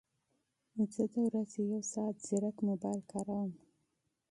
زه د ورځې یو ساعت ځیرک موبایل کاروم